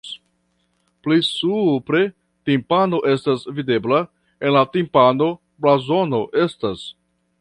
Pli supre timpano estas videbla, en la timpano blazono estas.